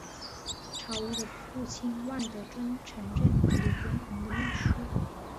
曹禺的父亲万德尊曾任黎元洪的秘书。